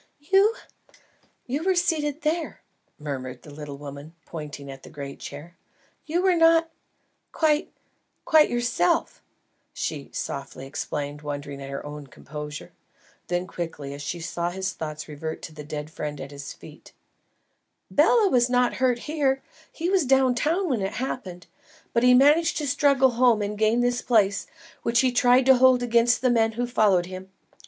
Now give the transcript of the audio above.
"You? You were seated there," murmured the little woman, pointing at the great chair. "You were not quite quite yourself," she softly explained, wondering at her own composure. Then quickly, as she saw his thoughts revert to the dead friend at his feet, "Bela was not hurt here. He was down town when it happened; but he managed to struggle home and gain this place, which he tried to hold against the men who followed him.